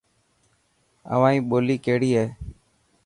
اوهائي ٻولي ڪهڙي هي.